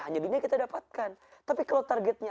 hanya dunia kita dapatkan tapi kalau targetnya